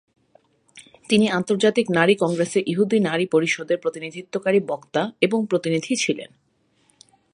তিনি আন্তর্জাতিক নারী কংগ্রেসে ইহুদি নারী পরিষদের প্রতিনিধিত্বকারী বক্তা এবং প্রতিনিধি ছিলেন।